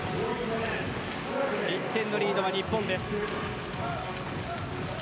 １点のリードは日本です。